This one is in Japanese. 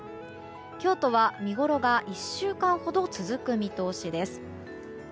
京都は見ごろが１週間ほど続く見通しです。